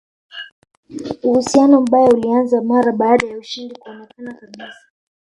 Uhusiano mbaya ulianza mara baada ya ushindi kuonekana kabisa